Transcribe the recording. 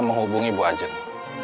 menghubungi bu ajeng